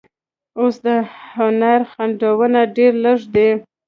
اوس د هنر خنډونه ډېر لږ دي.